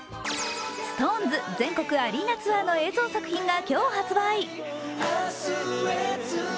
ＳｉｘＴＯＮＥＳ、全国アリーナツアーの映像作品が今日発売。